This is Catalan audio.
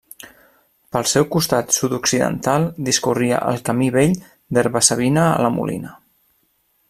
Pel seu costat sud-occidental discorria el Camí Vell d'Herba-savina a la Molina.